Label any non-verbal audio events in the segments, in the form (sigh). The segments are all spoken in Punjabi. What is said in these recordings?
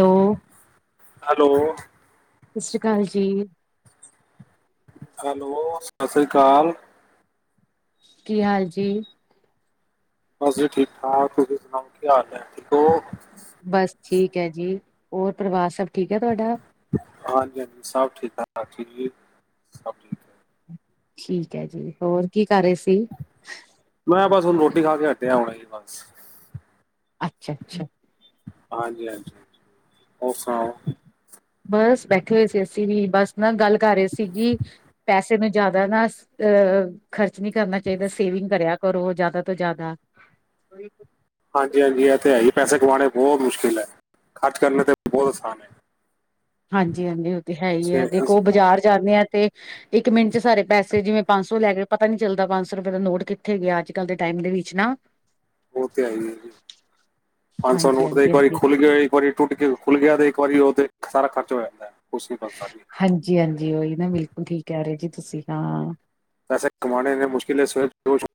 ਹੈਲੋ ਹੈਲੋ ਸਤਿ ਸ਼੍ਰੀ ਅਕਾਲ ਜੀ। ਹੈਲੋ, ਸਤਿ ਸ੍ਰੀ ਅਕਾਲ। ਕੀ ਹਾਲ ਜੀ? ਬਸ ਜੀ, ਠੀਕ ਠਾਕ, ਤੁਸੀਂ ਸੁਣਾਓ, ਕੀ ਹਾਲ ਹੈ ਠੀਕ ਹੋ? ਬਸ ਠੀਕ ਹੈ ਜੀ, ਹੋਰ ਪਰਿਵਾਰ ਸਭ ਠੀਕ ਹੈ ਤੁਹਾਡਾ? ਹਾਂਜੀ, ਹਾਂਜੀ ਸਭ ਠੀਕ ਠਾਕ ਠੀਕ ਜ ਸਭ ਠੀਕ। ਹੈ ਠੀਕ ਹੈ, ਜੀ ਹੋਰ ਕੀ ਕਰ ਰਹੇ ਸੀ? ਮੈਂ ਬਸ ਹੁਣ ਰੋਟੀ ਖਾ ਕੇ ਹਟਿਆ ਹੁਣੇ ਜੀ ਬਸ। ਅੱਛਾ ਅੱਛਾ। ਹਾਂਜੀ ਹਾਂਜੀ ਹੋਰ ਸੁਣਾਓ।? ਬਸ ਬੈਠੇ ਹੋਏ ਸੀ ਅਸੀਂ ਵੀ ਬਸ ਨਾ ਗੱਲ ਕਰ ਰਹੇ ਸੀ ਕਿ ਪੈਸੇ। ਸਾਨੂੰ ਜ਼ਿਆਦਾ ਨਾ ਅ ਖਰਚ ਨਹੀਂ ਕਰਨਾ ਚਾਹੀਦਾ। ਸੇਵਿੰਗ ਕਰਿਆ ਕਰੋ ਜ਼ਿਆਦਾ ਤੋਂ ਜ਼ਿਆਦਾ। ਉਹੀ ਤੇ। ਹਾਂਜੀ, ਹਾਂਜੀ ਇਹ ਤੇ ਹੈ ਹੀ ਪੈਸੇ ਕਮਾਉਣੇ ਬਹੁਤ ਮੁਸ਼ਕਿਲ ਹੈ। ਖਰਚ ਕਰਨ ਤੇ ਬਹੁਤ ਅਸਾਨ ਹੈ। ਹਾਂਜੀ, ਹਾਂਜੀ ਉਹ ਤੇ ਹੈ ਹੀ ਹੈ ਛੇ ਦੇਖੋ ਉਹ ਬਾਜ਼ਾਰ ਜਾਂਦੇ ਆ ਤੇ। ਇੱਕ ਮਿੰਟ 'ਚ ਸਾਰੇ ਪੈਸੇ ਜਿਵੇਂ ਪੰਜ ਸੌ ਲੈ ਕੇ। ਪਤਾ ਨੀ ਚੱਲਦਾ ਪੰਜ ਸੌ ਰੁਪਏ ਦਾ ਨੋਟ ਕਿੱਥੇ ਗਿਆ ਅੱਜ ਕੱਲ੍ਹ ਦੇ ਟਾਈਮ ਦੇ ਵਿੱਚ ਨਾ। ਉਹ ਤੇ ਹੈ ਹੀ ਹੈ ਜੀ ਪੰਜ ਸੌ ਦਾ ਹਾਂਜੀ ਨੋਟ ਜੇ ਹਾਂਜੀ ਇੱਕ ਵਾਰੀ ਹਾਂਜੀ ਖੁੱਲ ਗਿਆ ਇੱਕ ਵਾਰੀ। ਟੁੱਟ ਕੇ ਖੁੱਲ ਗਿਆ ਤੇ ਇੱਕ ਵਾਰੀ ਉਹ ਤੇ ਸਾਰਾ ਖਰਚ ਹੋ ਜਾਂਦਾ ਕੁਛ ਨੀ ਬੱਚਦਾ ਜੀ। ਹਾਂਜੀ, ਹਾਂਜੀ ਉਹੀ ਨਾ ਬਿਲਕੁਲ ਠੀਕ ਕਹਿ ਰਹੇ ਜੀ ਤੁਸੀਂ ਹਾਂ। ਪੈਸੇ ਕਮਾਉਣੇ ਨੇ ਮੁਸ਼ਕਿਲ ਹੈ। ਸਵੇਰੇ ਰੋਜ਼। (inaudible)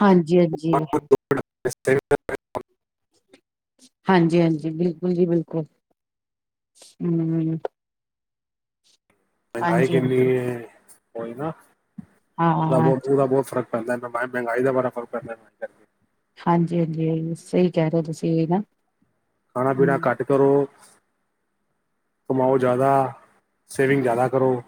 ਹਾਂਜੀ ਹਾਂਜੀ। ਮੈਡਮ ਮਿਸਤਰੀ ਕਿਹੜਾ। ਹਾਂਜੀ, ਹਾਂਜੀ, ਬਿਲਕੁਲ ਜੀ, ਬਿਲਕੁਲ ਹੂੰ। ਮਹਿੰਗਾਈ ਹਾਂਜੀ ਕਿੰਨੀ ਹਾਂਜੀ ਹੈ ਉਹੀਂ ਨਾ ਹਾਂ ਬਹੁਤ ਥੋੜਾ ਬਹੁਤ ਫਰਕ। ਮੰਨਦਾ ਮੈਂ ਮੈਮ ਮਹਿੰਗਾਈ ਦਾ ਬੜਾ ਫਰਕ ਪੈਂਦਾ। ਹਾਂਜੀ, ਹਾਂਜੀ, ਸਹੀ ਕਹਿ ਰਹੇ ਹੋ ਤੁਸੀਂ ਵੀ ਨਾ। ਖਾਣਾ ਪੀਣਾ ਹਮ ਘੱਟ। ਕਰੋ ਕਮਾਉ ਜ਼ਿਆਦਾ ਸੇਵਿੰਗ ਜ਼ਿਆਦਾ ਕਰੋ।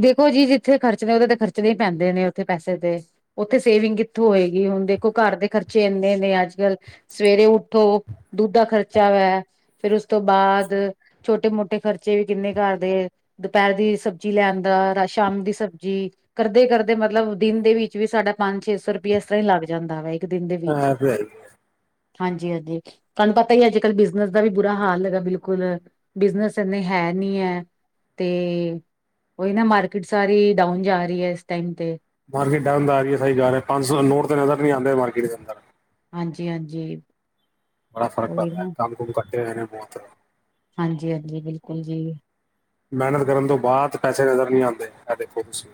ਦੇਖੋ ਜੀ, ਜਿੱਥੇ ਖਰਚਣੇ ਨੇ ਉਹਦੇ ਤੇ ਖਰਚਣੇ ਹੀ ਪੈਂਦੇ ਨੇ ਉੱਥੇ ਪੈਸੇ ਤੇ। ਉੱਥੇ ਸੇਵਿੰਗ ਕਿੱਥੋਂ ਹੋਏਗੀ। ਹੁਣ ਦੇਖੋ ਘਰ ਦੇ ਖਰਚੇ ਇੰਨੇ ਨੇ ਅੱਜ ਕੱਲ੍ਹ। ਸਵੇਰੇ ਉੱਠੋ ਦੁੱਧ ਦਾ ਖ਼ਰਚਾ ਵੈ। ਫੇਰ ਉਸ ਤੋਂ ਬਾਅਦ ਛੋਟੇ ਮੋਟੇ ਖਰਚੇ ਵੀ ਕਿੰਨੇ ਘਰ ਦੇ ਦੁਪਹਿਰ ਦੀ ਸਬਜ਼ੀ। ਸਬਜ਼ੀ ਲੈਣ ਦਾ ਸ਼ਾਮ ਦੀ ਸਬਜ਼ੀ। ਕਰਦੇ ਕਰਦੇ ਮਤਲਬ ਦਿਨ ਦੇ ਵਿੱਚ ਵੀ ਸਾਡਾ ਪੰਜ ਛੇ ਸੌ ਰੁਪਇਆ ਇਸ ਤਰ੍ਹਾਂ ਹੀ ਲੱਗ ਜਾਂਦਾ ਵੀ। ਇੱਕ ਦਿਨ ਦੇ ਵਿੱਚ ਇਹ ਹੀ ਤੇ ਹੈ ਹੈ ਹਾਂਜੀ ਹਾਂਜੀ। ਤੁਹਾਨੂੰ ਪਤਾ ਹੀ ਅੱਜ ਕੱਲ ਬਿਜਨਸ ਦਾ ਵੀ ਬੁਰਾ ਹਾਲ ਹੈਗਾ ਬਿਲਕੁਲ ਬਿਜਨਸ ਇੰਨੇ ਹੈ ਨੀ ਹੈ। ਤੇ। ਉਹੀ ਨਾ ਮਾਰਕੀਟ ਸਾਰੀ ਡਾਊਨ ਜਾ ਰਹੀ ਹੈ। ਇਸ ਟਾਈਮ ਤੇ। ਮਾਰਕੀਟ ਡਾਊਂਨ ਜਾ ਰਹੀ ਹੈ। ਸਹੀ ਕਹਿ ਰਹੇ ਹਾਂ। ਪੰਜ ਸੌ ਦਾ ਨੋਟ ਤੇ ਨਜ਼ਰ ਨਹੀਂ ਆਉਂਦਾ ਮਾਰਕੀਟ ਦੇ ਅੰਦਰ। ਹਾਂਜੀ ਹਾਂਜੀ। ਬੜਾ ਫਰਕ ਉਹੀ ਪੈਂਦਾ ਨਾ ਕੰਮ ਕੁੰਮ ਕੱਟੇ ਹੋਏ ਨੇ ਬਹੁਤ। ਹਾਂਜੀ ਹਾਂਜੀ ਬਿਲਕੁਲ ਜੀ। ਮਿਹਨਤ ਕਰਨ ਤੋਂ ਬਾਅਦ ਪੈਸੇ ਨਜ਼ਰ ਨਹੀਂ ਆਉਂਦੇ। ਇਹ ਦੇਖੋ ਤੁਸੀਂ।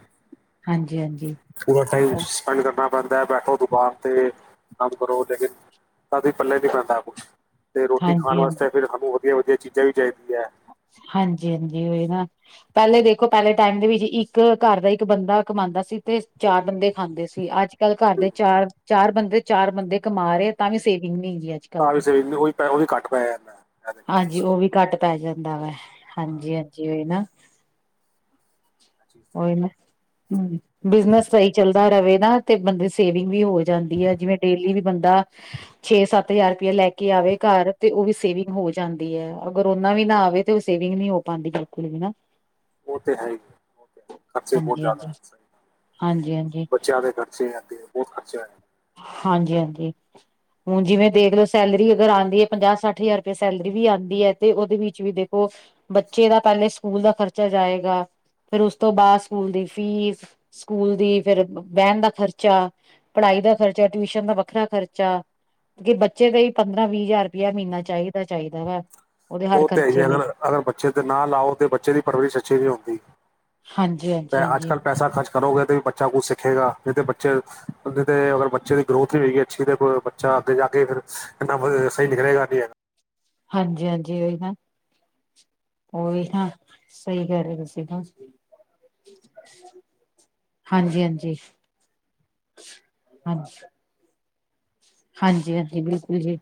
ਹਾਂਜੀ -ਹਾਂਜੀ। ਪੂਰਾ ਟਾਈਮ ਉਹ ਸਪੈਂਡ ਕਰਨਾ ਪੈਂਦਾ ਹੈ। ਬੈਠੋ ਦੁਕਾਨ ਤੇ ਕੰਮ ਕਰੋ ਲੇਕਿਨ ਸਾਡੇ ਪੱਲੇ ਹੀ ਨਹੀਂ ਪੈਦਾ ਕੁਛ। ਤੇ ਰੋਟੀ ਹਾਂਜੀ ਖਾਣ ਵਾਸਤੇ ਹਾਂਜੀ ਫਿਰ ਸਾਨੂੰ ਵਧੀਆ -ਵਧੀਆ ਚੀਜ਼ਾਂ ਵੀ ਚਾਹੀਦੀਆਂ। ਹਾਂਜੀ- ਹਾਂਜੀ ਉਹੀ ਨਾ ਪਹਿਲੇ ਦੇਖੋ, ਪਹਿਲੇ ਟਾਈਮ ਦੇ ਵਿੱਚ ਇੱਕ ਘਰ ਦਾ ਇੱਕ ਬੰਦਾ ਕਮਾਉਂਦਾ ਸੀ ਤੇ ਚਾਰ ਬੰਦੇ ਖਾਂਦੇ ਸੀ। ਅੱਜ ਅੱਜ ਕੱਲ ਘਰ ਦੇ ਚਾਰ, ਚਾਰ ਬੰਦੇ, ਚਾਰ ਬੰਦੇ ਕਮਾ ਰਹੇ ਹਾਂ। ਤਾਂ ਵੀ ਸੇਵਿੰਗ ਨਹੀਂ ਹੁੰਦੀ ਹੈ। ਤਾਂ ਵੀ ਸੇਵਿੰਗ ਨਹੀਂ ਹੋਈ ਉਹ ਵੀ ਘੱਟ ਪੈ ਜਾਂਦਾ ਹੈ। ਇਹ ਦੇਖੋ ਹਾਂਜੀ ਤੁਸੀਂ ਉਹ ਵੀ ਘੱਟ ਪੈ ਜਾਂਦਾ ਵਾ। ਹਾਂ ਹਾਂਜੀ- ਹਾਂਜੀ ਉਹੀ ਨਾ। ਇਹ ਚੀਜ਼ ਤੇ ਹੈ। ਉਹੀ ਨਾ ਹੂੰ। ਬਿਜਨਸ ਸਹੀ ਚੱਲਦਾ ਰਹਿਵੇ ਨਾ ਤੇ ਬੰਦੇ ਸੇਵਿੰਗ ਵੀ ਹੋ ਜਾਂਦੀ ਹੈ। ਜਿਵੇਂ ਡੇਲੀ ਵੀ ਬੰਦਾ ਛੇ- ਸੱਤ ਹਜ਼ਾਰ ਰੁਪਇਆ ਲੈ ਕੇ ਆਵੇ ਘਰ ਤੇ ਉਹ ਵੀ ਸੇਵਿੰਗ ਹੋ ਜਾਂਦੀ ਹੈ। ਅਗਰ ਉਹਨਾ ਵੀ ਨਾ ਆਵੇ। ਤੇ ਉਹ ਸੇਵਿੰਗ ਨਹੀਂ ਹੋ ਪਾਉਂਦੀ। ਬਿਲਕੁਲ ਵੀ ਨਾ। ਉਹ ਤੇ ਹੈਗੇ। ਉਹ ਹੈ ਖਰਚੇ ਬਹੁਤ ਹਾਂਜੀ ਹਾਂਜੀ ਜ਼ਿਆਦਾ। ਹਾਂਜੀ ਹਾਂਜੀ ਬੱਚਿਆਂ ਦੇ ਖਚ ਖਰਚੇ ਜਾਂਦੇ ਬਹੁਤ ਖਰਚਾ ਹੈ। ਹਾਂਜੀ -ਹਾਂਜੀ। ਹੁਣ ਜਿਵੇਂ ਦੇਖ ਲਓ ਸੈਲਰੀ ਅਗਰ ਆਉਂਦੀ ਹੈ ਪੰਜਾਹ ਸੱਠ ਹਜ਼ਾਰ ਰੁਪਏ ਸੈਲਰੀ ਵੀ ਆਉਂਦੀ ਹੈ ਤੇ ਉਹਦੇ ਵਿੱਚ ਵੀ ਦੇਖੋ ਬੱਚੇ ਦਾ ਪਹਿਲੇ ਸਕੂਲ ਦਾ ਖਰਚਾ ਜਾਏਗਾ। ਫੇਰ ਉਸ ਤੋਂ ਬਾਅਦ ਸਕੂਲ ਦੀ ਫੀਸ ਸਕੂਲ ਦੀ ਫੇਰ ਬਹਿਣ ਦਾ ਖਰਚਾ, ਪੜ੍ਹਾਈ ਦਾ ਖਰਚਾ ਟਿਊਸ਼ਨ ਦਾ ਵੱਖਰਾ ਖਰਚਾ। ਕਿ ਬੱਚੇ ਦਾ ਹੀ ਪੰਦਰਾਂ- ਵੀਹ ਹਜ਼ਾਰ ਰੁਪਇਆ ਮਹੀਨਾ ਚਾਹੀਦਾ- ਚਾਹੀਦਾ ਵਾ। ਉਹਦੇ ਹਰ ਉਹ ਤੇ ਹੀ ਖਰਚੇ ਲਈ ਅਗਰ, ਅਗਰ ਬੱਚੇ ਤੇ ਨਾ ਲਾਓ। ਤੇ ਬੱਚੇ ਦੀ ਪਰਵਰਿਸ਼ ਅਛੀ ਨੀ ਹੁੰਦੀ। ਹਾਂਜੀ- ਹਾਂਜੀ। ਅੱਜ ਹਾਂਜੀ ਕੱਲ੍ਹ ਪੈਸਾ ਖਰਚ ਕਰੋਗੇ ਤਾਂ ਵੀ ਬੱਚਾ ਕੁਛ ਸਿੱਖੇਗਾ। ਨਹੀਂ ਤਾਂ ਬੱਚੇ ਤੇ ਅਗਰ ਬੱਚੇ ਦੀ ਗਰੋਥ ਵੀ ਹੋਏਗੀ ਅੱਛੀ ਤੇ ਬੱਚਾ ਅੱਗੇ ਜਾ ਕੇ ਫਿਰ ਇੰਨਾ ਸਹੀ ਨਿਕਲੇਗਾ ਨੀ। ਹਾਂਜੀ- ਹਾਂਜੀ ਉਹੀ ਨਾ। ਉਹ ਵੀ ਹ ਸਹੀ ਕਰ ਰਹੇ ਤੁਸੀਂ ਤਾਂ। ਹਾਂਜੀ -ਹਾਂਜੀ- ਹਾਂਜੀ। ਹਾਂਜੀ- ਹਾਂਜੀ ਬਿਲਕੁਲ ਜੀ।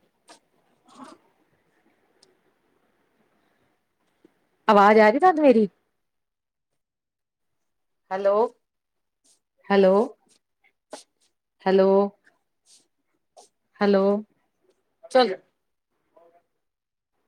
ਆਵਾਜ਼ ਆ ਰਹੀ ਤੁਾਨ ਮੇਰੀ। ਹੈਲੋ, ਹੈਲੋ, ਹੈਲੋ, ਹੈਲੋ, ਚਲ।